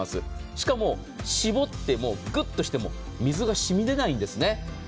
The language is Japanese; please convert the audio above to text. しかも絞ってもグッてしても水がしみ出ないんですね。